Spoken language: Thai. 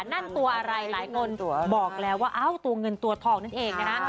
นั่นตัวอะไรหลายคนบอกแล้วว่าเอ้าตัวเงินตัวทองนั่นเองนะคะ